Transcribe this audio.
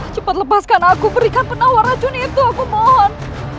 cepat lepaskan aku berikan penawar racun itu aku mohon